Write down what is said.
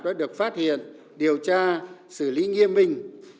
đã được phát hiện điều tra xử lý nghiêm minh